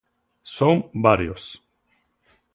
Son varios.